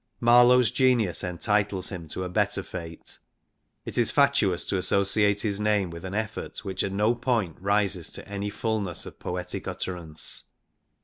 Marlowe's genius entitles him to a better fate. It is fatuous to associate his name with an effort which at no point rises to any fulness of poetic utterance.